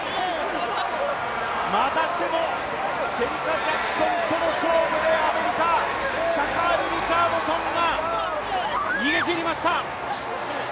またしてもシェリカ・ジャクソンとの勝負でアメリカ、シャカリ・リチャードソンが逃げきりました。